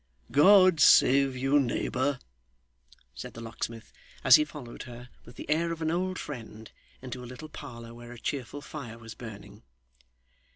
'God save you, neighbour!' said the locksmith, as he followed her, with the air of an old friend, into a little parlour where a cheerful fire was burning.